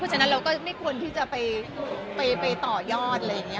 ฉะนั้นเราก็ไม่ควรที่จะไปต่อยอดอะไรอย่างนี้